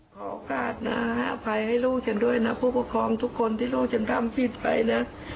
โอกาสนะอภัยให้ลูกฉันด้วยนะผู้ปกครองทุกคนที่ลูกฉันทำผิดไปนะ